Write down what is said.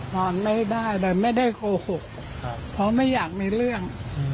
นอนไม่ได้เลยไม่ได้โกหกเพราะไม่อยากมีเรื่อง